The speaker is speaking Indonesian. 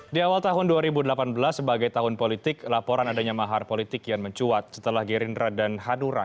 di awal tahun dua ribu delapan belas sebagai tahun politik laporan adanya mahar politik kian mencuat setelah gerindra dan hanura